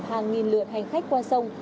hàng nghìn lượt hành khách qua sông